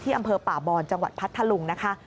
อำเภอป่าบอนจังหวัดพัทธลุงนะคะ